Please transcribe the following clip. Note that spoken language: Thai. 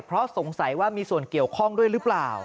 เพราะสงสัยว่ามีส่วนเกี่ยวข้องด้วยหรือเปล่า